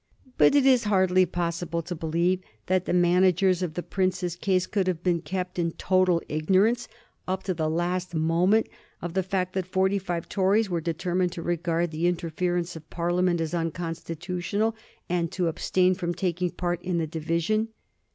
But it is hardly possible to believe that the man agers of the prince's case could have been kept in total ignorance up to the last moment of the fact that forty five Tories were determined to regard the interference of Parliament as unconstitutional, and to abstain from tak ing part in the division.